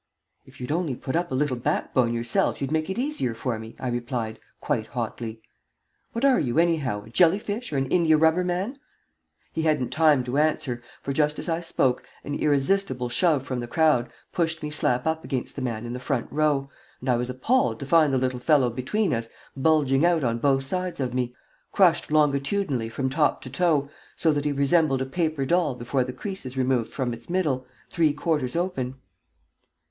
"If you'd only put up a little backbone yourself you'd make it easier for me," I replied, quite hotly. "What are you, anyhow, a jelly fish or an India rubber man?" He hadn't time to answer, for just as I spoke an irresistible shove from the crowd pushed me slap up against the man in the front row, and I was appalled to find the little fellow between us bulging out on both sides of me, crushed longitudinally from top to toe, so that he resembled a paper doll before the crease is removed from its middle, three quarters open.